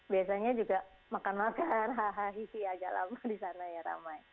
biasanya juga makan makan hahahi sih agak lama di sana ya ramai